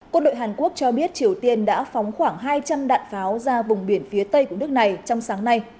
quân đội hàn quốc cho biết triều tiên đã phóng khoảng hai trăm linh đạn pháo ra vùng biển phía tây của nước này trong sáng nay